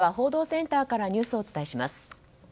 では、報道センターからニュースをお伝えします。